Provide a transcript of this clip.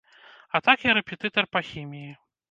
А так я рэпетытар па хіміі.